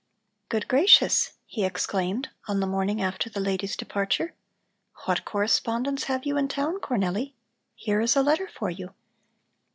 "Good gracious!" he exclaimed on the morning after the ladies' departure, "what correspondents have you in town, Cornelli? Here is a letter for you."